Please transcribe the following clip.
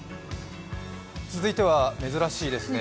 続いては珍しいですね